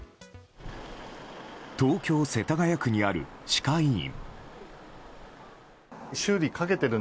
東京・世田谷区にある歯科医院。